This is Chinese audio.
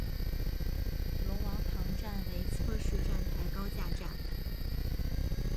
龙王塘站为侧式站台高架站。